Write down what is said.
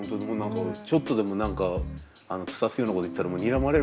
ちょっとでも何かくさすようなこと言ったらにらまれる。